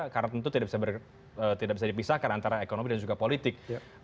karena tentu tidak bisa dipisahkan antara ekonomi dan juga politik